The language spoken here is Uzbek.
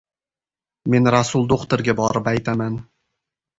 — Men Rasul do‘xtirga borib aytaman.